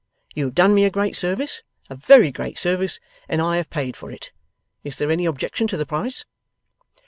You have done me a great service, a very great service, and I have paid for it. Is there any objection to the price?